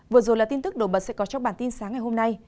vừa rồi là tin tức nổi bật sẽ có trong bản tin sáng ngày hôm nay